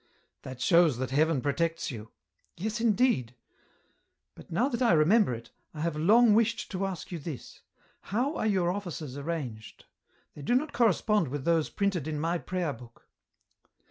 " That shows that Heaven protects you." " Yes, indeed. But now that I remember it, I have long wished to ask you this — how are your offices arranged ? They do not correspond with those printed in my prayer book."